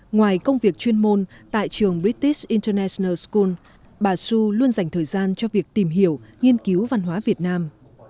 ngoài công việc chuyên môn tại trường british international school bà xu luôn dành thời gian cho việc tìm hiểu nghiên cứu văn hóa việt nam